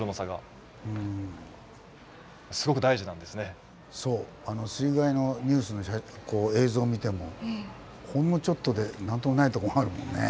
このそう水害のニュースの映像を見てもほんのちょっとで何ともないとこもあるもんね。